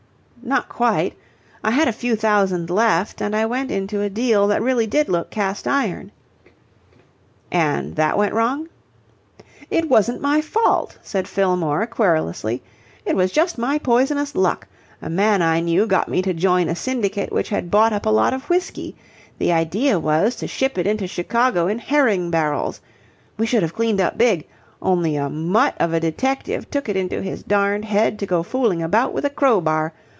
"Not quite. I had a few thousand left, and I went into a deal that really did look cast iron." "And that went wrong!" "It wasn't my fault," said Fillmore querulously. "It was just my poisonous luck. A man I knew got me to join a syndicate which had bought up a lot of whisky. The idea was to ship it into Chicago in herring barrels. We should have cleaned up big, only a mutt of a detective took it into his darned head to go fooling about with a crowbar.